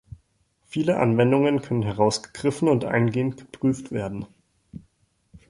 Viele Anwendungen können herausgegriffen und eingehend geprüft werden.